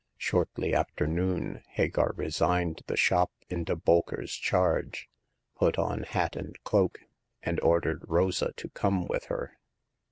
Shortly after noon Hagar resigned the shop into Bolker*s charge, put on hat and cloak, and ordered Rosa to come with her.